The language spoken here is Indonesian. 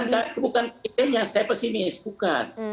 bukan presidennya saya pesimis bukan